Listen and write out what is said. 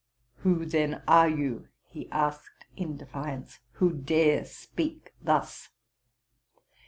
''—'+ Who, then, are you,'' he asked in defiance, '* who dare speak thus?